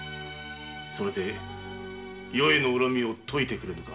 それで余への恨みを解いてくれぬか。